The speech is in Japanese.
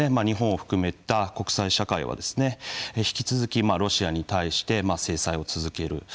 日本を含めた国際社会は引き続きロシアに対して制裁を続ける。